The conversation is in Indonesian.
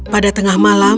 pada tengah malam